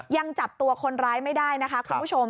ยังจับตัวคนร้ายไม่ได้นะคะคุณผู้ชม